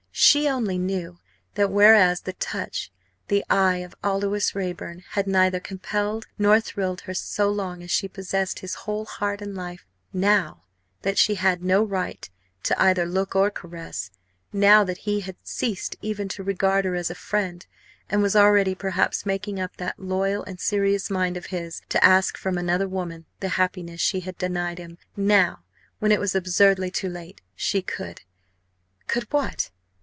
She only knew that whereas the touch, the eye of Aldous Raeburn had neither compelled nor thrilled her, so long as she possessed his whole heart and life now that she had no right to either look or caress; now that he had ceased even to regard her as a friend, and was already perhaps making up that loyal and serious mind of his to ask from another woman the happiness she had denied him; now, when it was absurdly too late, she could Could what?